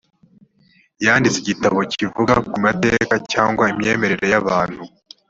yanditse igitabo kivuga ku mateka cyangwa imyemerere y abantu.